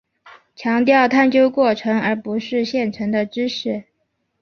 强调探究过程而不是现成的知识。